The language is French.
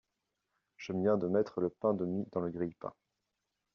Je viens de mettre le pain de mie dans le grille-pain.